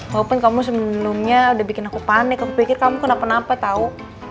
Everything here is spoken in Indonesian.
maupun kamu sebelumnya udah bikin aku panik pikir kamu kenapa napa tahu